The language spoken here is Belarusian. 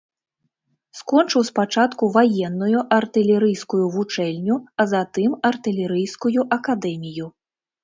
Скончыў спачатку ваенную артылерыйскую вучэльню, а затым артылерыйскую акадэмію.